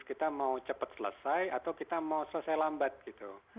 kita mau cepat selesai atau kita mau selesai lambat gitu